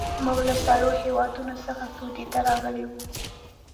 موږ له سړو هېوادونو څخه سعودي ته راغلي وو.